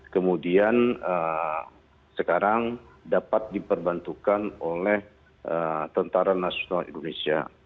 kemudian sekarang dapat diperbantukan oleh tentara nasional indonesia